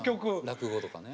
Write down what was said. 落語とかね。